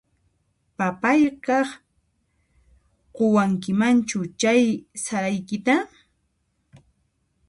Papayqaq quwankimanchu chay saraykita?